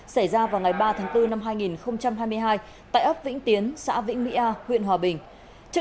xảy ra vào ngày ba tháng bốn năm hai nghìn hai mươi hai tại ấp vĩnh tiến xã vĩnh mỹ a huyện hòa bình